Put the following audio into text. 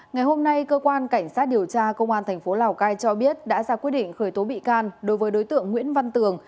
ngày hôm nay cơ quan cảnh sát điều tra công an tp lào cai cho biết đã ra quyết định khởi tố bị can đối với đối tượng nguyễn văn tường